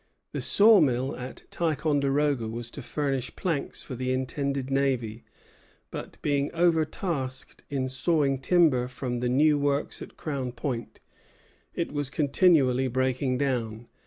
The saw mill at Ticonderoga was to furnish planks for the intended navy; but, being overtasked in sawing timber for the new works at Crown Point, it was continually breaking down.